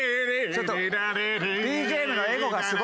ちょっとＢＧＭのエゴがすごいから。